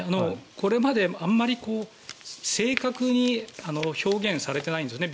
これまであまり正確に表現されてないんですね。